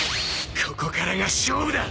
ここからが勝負だ！